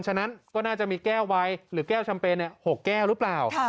ฉะนั้นก็น่าจะมีแก้วไวหรือแก้วแชมเปญ๖แก้วหรือเปล่า